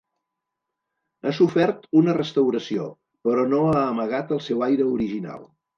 Ha sofert una restauració però no ha amagat el seu aire original.